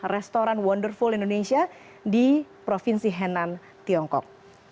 restoran wonderful indonesia di provinsi henan tiongkok